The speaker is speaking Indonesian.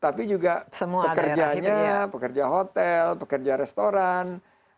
tapi juga pekerjanya pekerja hotel pekerja restoran